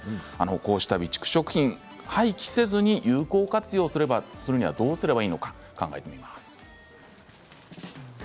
こうした備蓄食品を廃棄せず有効活用するにはどうしたらいいのか考えます。